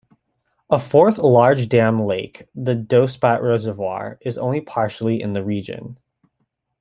A fourth large dam lake, the Dospat Reservoir is only partially in the region.